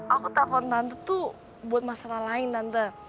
aku takut tuh buat masalah lain tante